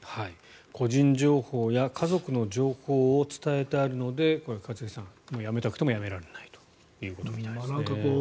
個人情報や家族の情報を伝えたので一茂さんやめたくてもやめられないということみたいですね。